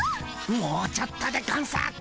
もうちょっとでゴンス。